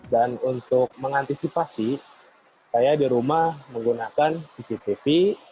dan untuk mengantisipasi saya di rumah menggunakan cctv